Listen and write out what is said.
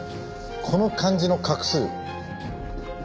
この漢字の画数。